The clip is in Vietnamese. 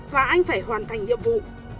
và anh phải hoàn thành nhiệm vụ